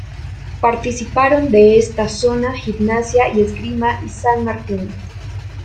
Participaron de esta zona Gimnasia y Esgrima y San Martín.